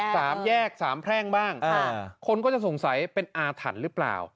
สามแยกสามแพร่งบ้างอ่าคนก็จะสงสัยเป็นอาถรรพ์หรือเปล่า